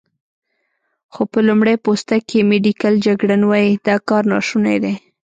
خو په لمړی پوسته کې، میډیکل جګړن وايي، دا کار ناشونی دی.